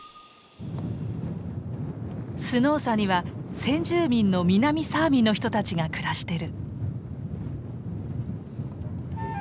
スノーサには先住民の南サーミの人たちが暮らしてる。